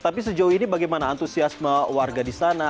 tapi sejauh ini bagaimana antusiasme warga di sana